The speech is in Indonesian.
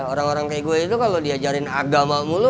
orang orang kayak gue itu kalau diajarin agama mulu